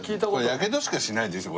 やけどしかしないでしょ